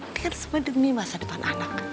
ini kan semua demi masa depan anak